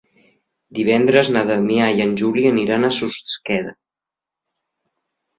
Divendres na Damià i en Juli aniran a Susqueda.